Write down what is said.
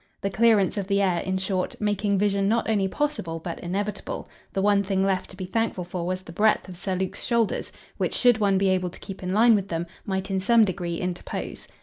The clearance of the air, in short, making vision not only possible but inevitable, the one thing left to be thankful for was the breadth of Sir Luke's shoulders, which, should one be able to keep in line with them, might in some degree interpose.